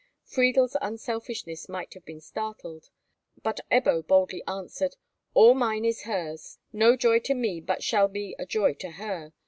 Friedel's unselfishness might have been startled, but Ebbo boldly answered, "All mine is hers. No joy to me but shall be a joy to her.